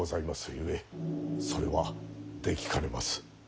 ゆえそれはできかねまする。